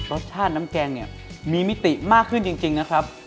รสชาติน้ำแกงเนี่ยมีมิติมากขึ้นจริงนะครับ